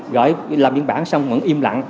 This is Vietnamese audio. gọi làm biên bản xong vẫn im lặng